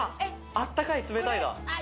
あったかい冷たいだ。